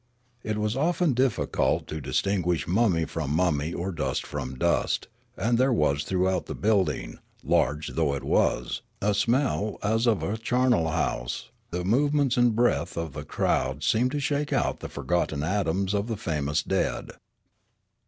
It was often diflBcult to distinguish mummy from mummy or dust from dust ; and there was throughout the building, large though it was, a smell as of a charnel house ; the movements and breath of the crowd seemed to shake out the forgotten atoms of the famous dead.